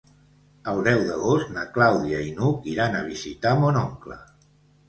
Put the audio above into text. El deu d'agost na Clàudia i n'Hug iran a visitar mon oncle.